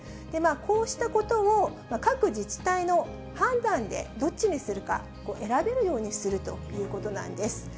こうしたことを各自治体の判断で、どっちにするか選べるようにするということなんです。